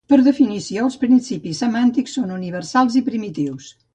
Per definició, els principis semàntics són universals i primitius.